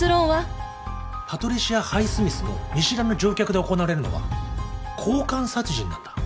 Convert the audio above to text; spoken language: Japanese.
パトリシア・ハイスミスの『見知らぬ乗客』で行われるのは交換殺人なんだ。